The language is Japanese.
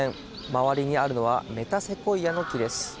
周りにあるのはメタセコイアの木です。